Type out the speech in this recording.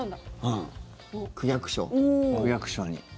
区役所に。